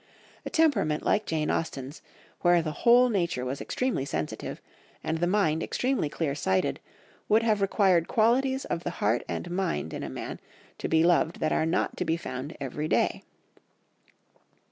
A temperament like Jane Austen's, where the whole nature was extremely sensitive, and the mind extremely clear sighted, would have required qualities of the heart and mind in a man to be loved that are not to be found every day.